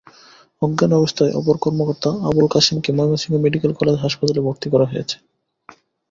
অজ্ঞান অবস্থায় অপর কর্মকর্তা আবুল কাসেমকে ময়মনসিংহ মেডিকেল কলেজ হাসপাতালে ভর্তি করা হয়েছে।